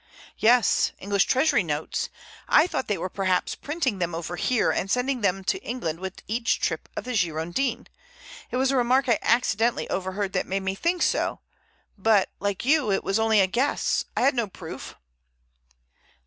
"Yes; English Treasury notes. I thought they were perhaps printing them over here, and sending some to England with each trip of the Girondin. It was a remark I accidentally overheard that made me think so. But, like you, it was only a guess. I had no proof."